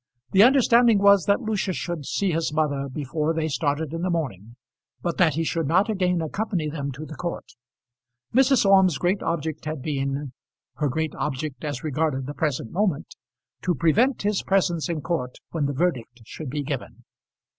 The understanding was that Lucius should see his mother before they started in the morning, but that he should not again accompany them to the court. Mrs. Orme's great object had been, her great object as regarded the present moment, to prevent his presence in court when the verdict should be given.